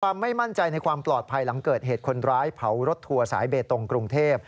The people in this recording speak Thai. ไม่มั่นใจในความปลอดภัยหลังเกิดเหตุคนร้ายเผารถทัวร์สายเบตงกรุงเทพ